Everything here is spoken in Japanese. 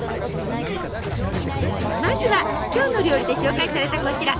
まずは「きょうの料理」で紹介されたこちら！